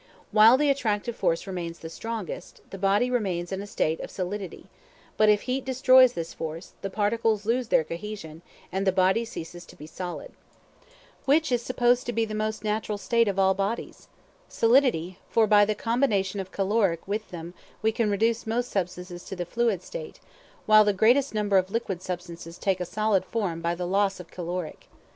While the attractive force remains strongest, the body remains in a state of solidity; but if heat destroys this force, the particles lose their cohesion, and the body ceases to be solid. Cohesion, act of sticking together, union of the constituent parts of a body. Which is supposed to be the most natural state of all bodies? Solidity; for by the combination of caloric with them we can reduce most substances to the fluid state; while the greatest number of liquid substances take a solid form by the loss of caloric.